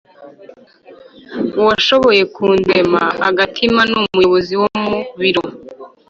uwashoboye kundema agatima n'umuyobozi wo mu biro